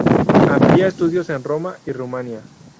Amplía estudios en Roma y Rumanía.